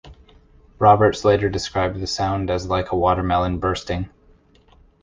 Roberts later described the sound as like a watermelon bursting.